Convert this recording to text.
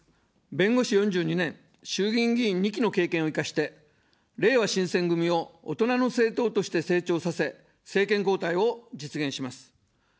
弁護士４２年、衆議院議員２期の経験を生かして、れいわ新選組を大人の政党として成長させ、政権交代を実現します。